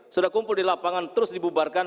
sudah kumpul di lapangan terus dibubarkan